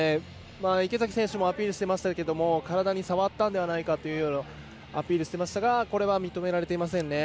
池崎選手もアピールしてましたけど体に触ったのではないかとアピールしていましたがこれは、認められていませんね。